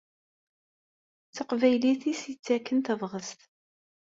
D taqbaylit i s-yettaken tabɣest.